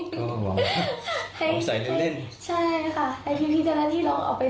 เผื่อแบบว่าอาจจะทำให้มีรอยยิ้มขึ้นมาบ้างนะคะ